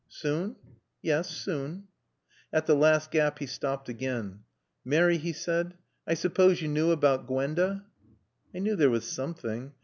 "Soon?" "Yes; soon." At the last gap he stopped again. "Mary," he said, "I suppose you knew about Gwenda?" "I knew there was something.